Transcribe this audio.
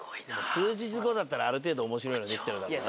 数日後だったらある程度面白いの出来てるだろうな。